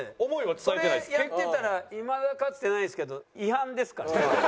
それやってたらいまだかつてないですけど違反ですからね。